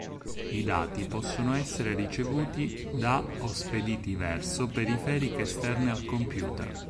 I dati possono essere ricevuti da o spediti verso periferiche esterne al computer.